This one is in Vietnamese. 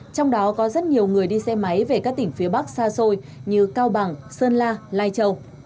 trong đó có rất nhiều người đi xe máy về các tỉnh phía bắc xa xôi như cao bằng sơn la lai châu